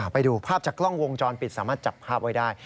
ไปดูภาพจากกล้องวงจรปิดสามารถจับภาพไว้ได้